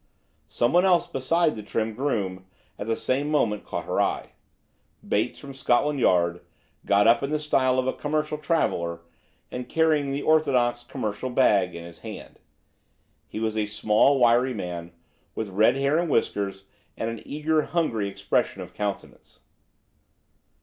Someone else beside the trim groom at the same moment caught her eye–Bates, from Scotland Yard, got up in the style of a commercial traveler, and carrying the orthodox "commercial bag" in his hand. He was a small, wiry man, with red hair and whiskers, and an eager, hungry expression of countenance.